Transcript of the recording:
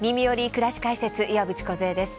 くらし解説」岩渕梢です。